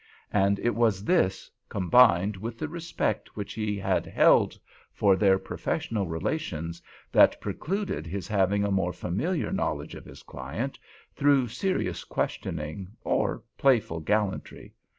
And it was this, combined with the respect which he had held for their professional relations, that precluded his having a more familiar knowledge of his client, through serious questioning, or playful gallantry.